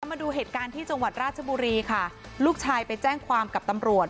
มาดูเหตุการณ์ที่จังหวัดราชบุรีค่ะลูกชายไปแจ้งความกับตำรวจ